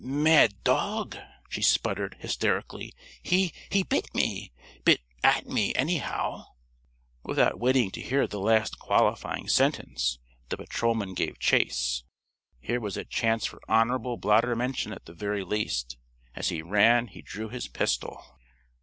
"Mad dog!" she sputtered, hysterically. "He he bit me! Bit at me, anyhow!" Without waiting to hear the last qualifying sentence, the patrolman gave chase. Here was a chance for honorable blotter mention at the very least. As he ran he drew his pistol.